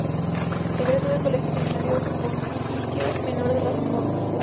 Egresó del Colegio Seminario Pontificio Menor de Las Condes.